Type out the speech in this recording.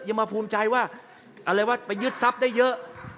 ยังมาภูมิใจว่าอะไรว่าไปยึดซับได้เยอะ